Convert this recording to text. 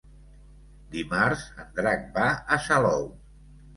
Dimarts en Drac va a Salou.